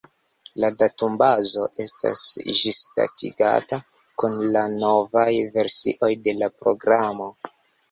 La datumbazo estas ĝisdatigata kun la novaj versioj de la programo.